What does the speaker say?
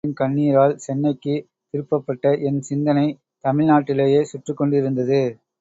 பெரியவரின் கண்ணீரால் சென்னைக்குத் திருப்பப்பட்ட என் சிந்தனை, தமிழ் நாட்டிலேயே சுற்றிக் கொண்டிருந்தது.